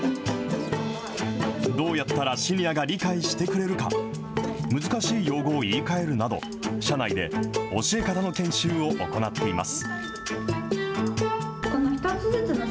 どうやったらシニアが理解してくれるか、難しい用語を言い換えるなど、社内で教え方の研修を行っています。